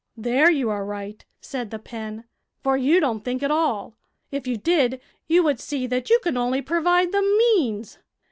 "There you are right," said the pen, "for you don't think at all; if you did, you would see that you can only provide the means.